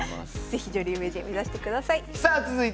是非女流名人目指してください。